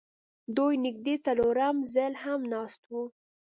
دوی نږدې څلورم ځل هم ناست وو